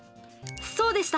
そうでした！